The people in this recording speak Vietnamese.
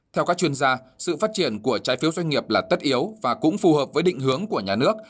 theo các chuyên gia sự phát triển của trái phiếu doanh nghiệp là tất yếu và cũng phù hợp với định hướng của nhà nước